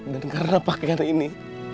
dan karena pakaian ini